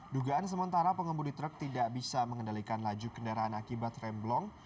dugaan sementara pengembudi truk tidak bisa mengendalikan laju kendaraan akibat rem blong